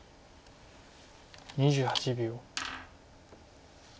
２８秒。